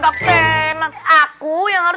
saya kapten kamu yang bikin ide